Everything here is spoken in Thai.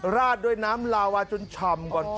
ระจด้วยน้ำลาว่าจนชมก่อน